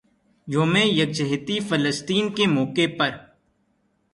یوم یکجہتی فلسطین کے موقع پر